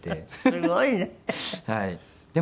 すごいね。